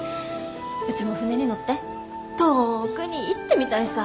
うちも船に乗って遠くに行ってみたいさ。